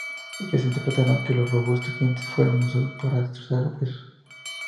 Ellos interpretaron que los robustos dientes fueron usados para destrozar huesos.